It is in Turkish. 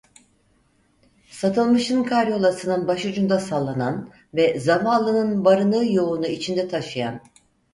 Satılmış'ın karyolasının başucunda sallanan ve zavallının varını yoğunu içinde taşıyan.